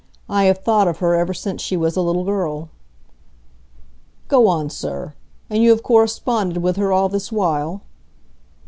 I have thought of her ever since she was a little girl." "Go on, sir! And you have corresponded with her all this while?"